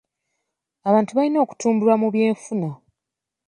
Abantu balina okutumbulwa mu by'enfuna.